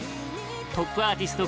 トップアーティスト